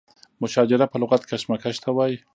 مشاجره په لغت کې کشمکش ته وایي.